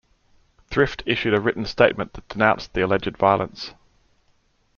Thrift issued a written statement that denounced the alleged violence.